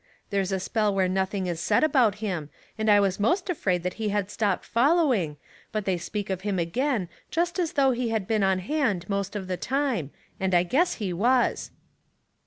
There's a spell where nothing is said about him, and I was most afraid that he had stopped following, but they speak of him again just as though he had been on hand most of the time, and I guess he was."